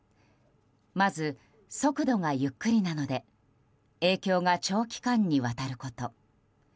まず、速度がゆっくりなので影響が長期間にわたること。